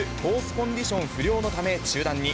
コンディション不良のため、中断に。